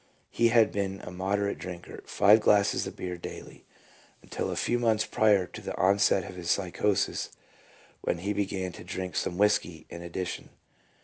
He had been a moderate drinker (five glasses of beer daily) until a few months prior to the onset of his psychosis, when he began to drink some whisky in addition.